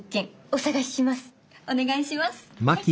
お願いします。